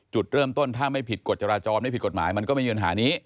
จุดเริ่มต้นถ้าไม่ผิดกฎจราจรไม่ผิดกฎหมายมันก็ไม่มีปัญหานี้